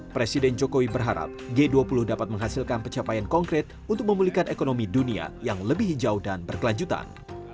presiden jokowi berharap g dua puluh dapat menghasilkan pencapaian konkret untuk memulihkan ekonomi dunia yang lebih hijau dan berkelanjutan